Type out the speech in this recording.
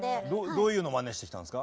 どういうのをマネしてきたんですか？